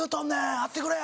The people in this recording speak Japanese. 会ってくれや！」